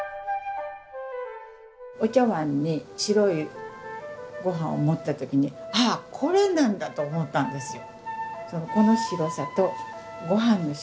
お茶わんに白いごはんを盛った時にあこれなんだと思ったんですよ。